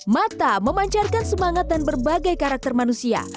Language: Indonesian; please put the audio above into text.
mata memancarkan semangat dan berbagai karakter manusia